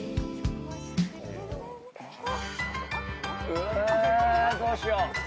うーんどうしよう。